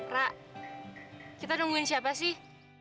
rak kita nungguin siapa sih